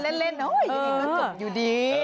เล่นอย่างนี้ก็จบอยู่ดี